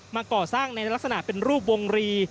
มาก่อสร้างในลักษณะเป็นรูปวงรี